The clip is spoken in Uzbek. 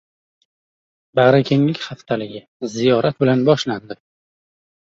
“Bag‘rikenglik haftaligi” ziyorat bilan boshlandi